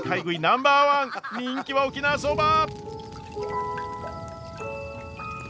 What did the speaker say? ナンバーワン人気は沖縄そば！